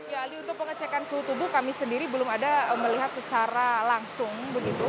ya aldi untuk pengecekan suhu tubuh kami sendiri belum ada melihat secara langsung begitu